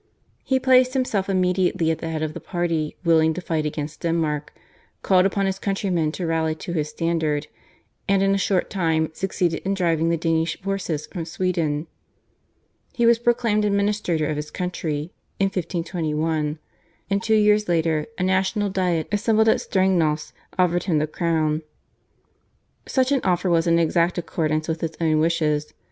He placed himself immediately at the head of the party willing to fight against Denmark, called upon his countrymen to rally to his standard, and in a short time succeeded in driving the Danish forces from Sweden. He was proclaimed administrator of his country in 1521, and two years later a national Diet assembled at Strengnas offered him the crown. Such an offer was in exact accordance with his own wishes.